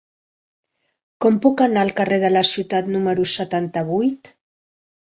Com puc anar al carrer de la Ciutat número setanta-vuit?